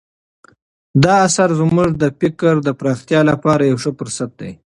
دا اثر زموږ د فکر د پراختیا لپاره یو ښه فرصت دی.